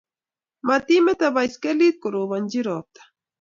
Mati mete baiskelit korobonji robto